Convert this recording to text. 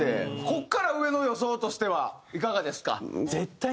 ここから上の予想としてはいかがですか？